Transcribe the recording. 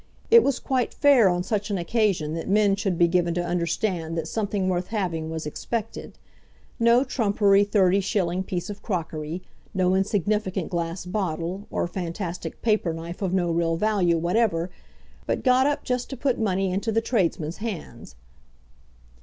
It was quite fair on such an occasion that men should be given to understand that something worth having was expected, no trumpery thirty shilling piece of crockery, no insignificant glass bottle, or fantastic paper knife of no real value whatever, but got up just to put money into the tradesmen's hands.